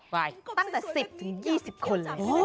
ไปตั้งแต่๑๐๒๐คนเลย